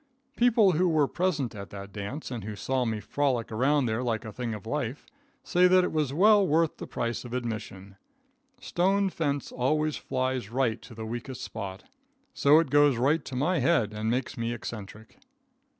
People who were present at that dance, and who saw me frolic around there like a thing of life, say that it was well worth the price of admission. Stone fence always flies right to the weakest spot. So it goes right to my head and makes me eccentric.